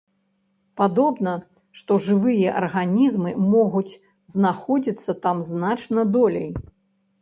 Падобна, што жывыя арганізмы могуць знаходзіцца там значна долей.